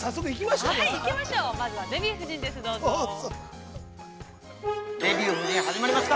まずは「デビュー夫人」です。